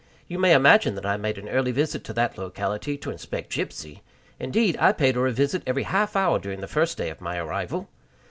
You may imagine that I made an early visit to that locality to inspect Gypsy. Indeed, I paid her a visit every half hour during the first day of my arrival.